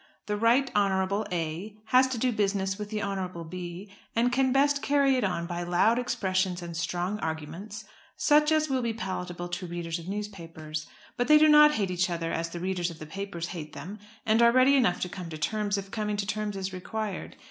The Right Honourable A. has to do business with the Honourable B., and can best carry it on by loud expressions and strong arguments such as will be palatable to readers of newspapers; but they do not hate each other as the readers of the papers hate them, and are ready enough to come to terms, if coming to terms is required.